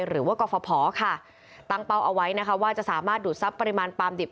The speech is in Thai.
หรือว่ากรฟภค่ะตั้งเป้าเอาไว้นะคะว่าจะสามารถดูดทรัพย์ปริมาณปลามดิบ